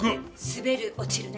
「すべる」「落ちる」ね？